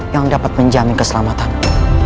yang dapat menjamin keselamatanmu